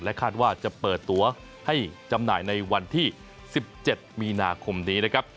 คาดว่าจะเปิดตัวให้จำหน่ายในวันที่๑๗มีนาคมนี้นะครับ